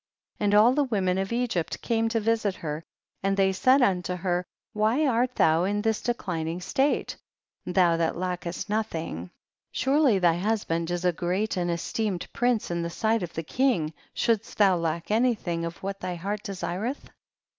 27. And all the women of Egypt came to visit her, and they said unto her, why art thou in this declining state ? thou that lackest nothing ; surely thy husband is a great and esteemed prince in the sight of the king, shouldst thou lack any thing of what thy heart desireth